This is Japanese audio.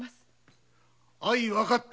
相分かった。